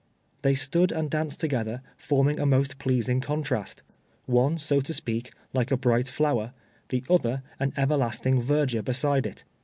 They stood and danced together, forming a most pleasing contrast one, so to speak, like a bright flower; the other, an everlasting verdure beside it.